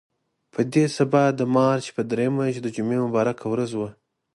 په دې سبا د مارچ په درېیمه چې د جمعې مبارکه ورځ وه.